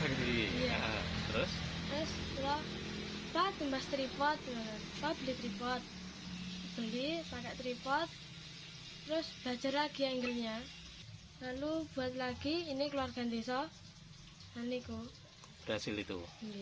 terus belajar lagi yang gini lalu buat lagi ini keluarga ndeso dan niku berhasil itu